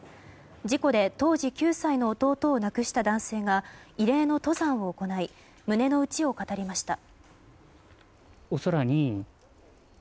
事故で当時９歳の弟を亡くした男性が慰霊の登山を行い胸の内を語りました。